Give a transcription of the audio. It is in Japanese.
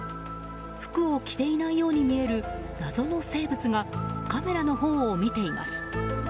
服を着ていないように見える謎の生物がカメラのほうを見ています。